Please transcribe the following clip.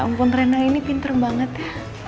ampun rena ini pinter banget ya